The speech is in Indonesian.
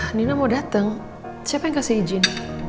ah nino mau datang siapa yang kasih izin